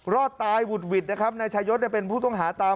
รอดตายหุดหวิดนะครับนายชายศเป็นผู้ต้องหาตาม